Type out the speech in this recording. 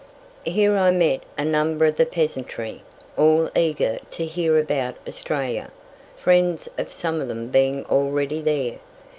Here I met a number of the peasantry, all eager to hear about Australia, friends of some of them being already there.